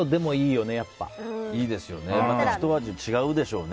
ひと味違うでしょうね。